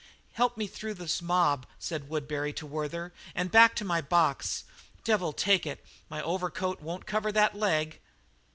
"Help me through this mob," said Woodbury to Werther, "and back to my box. Devil take it, my overcoat won't cover that leg."